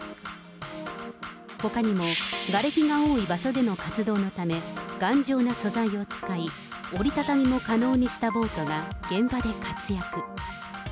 ほかにも、がれきが多い場所での活動のため、頑丈な素材を使い、折り畳みも可能にしたボートが現場で活躍。